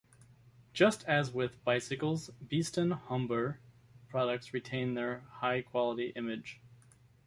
Just as with bicycles Beeston Humber products retained their high quality image.